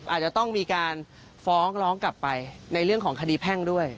อาจจะต้องมีการฟ้องร้องกลับไปในเรื่องของคดีแพ่งด้วย